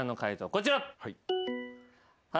こちら。